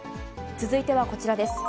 続いてはこちらです。